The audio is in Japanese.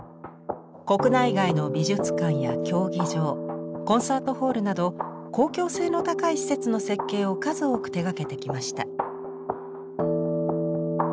国内外の美術館や競技場コンサートホールなど公共性の高い施設の設計を数多く手がけてきました。